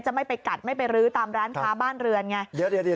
ไม่ไปกัดไม่ไปรื้อตามร้านค้าบ้านเรือนไง